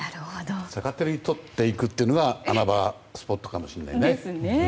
逆手に取っていくというのが穴場スポットかもしれないね。